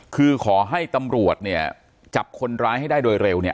คือขอให้ตำรวจเนี่ยจับคนร้ายให้ได้โดยเร็วเนี่ย